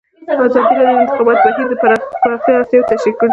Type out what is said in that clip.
ازادي راډیو د د انتخاباتو بهیر د پراختیا اړتیاوې تشریح کړي.